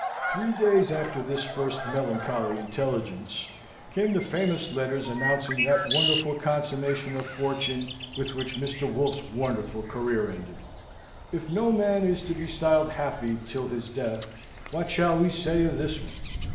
Three days after this first melancholy intelligence, came the famous letters announcing that wonderful consummation of fortune with which Mr. Wolfe's wonderful career ended. If no man is to be styled happy till his death, what shall we say of this one?